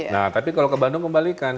nah tapi kalau ke bandung kembalikan